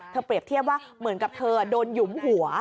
เปรียบเทียบว่าเหมือนกับเธอโดนหยุมหัว